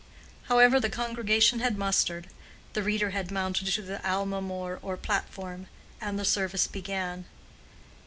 However, the congregation had mustered, the reader had mounted to the almemor or platform, and the service began.